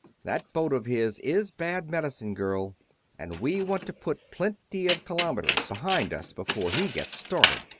That boat of his is bad medicine, girl, and we want to put plenty of kilometers behind us before he gets started."